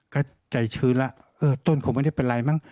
ก็ใจชื้นแล้วเออต้นคงไม่ได้เป็นไรมั้ง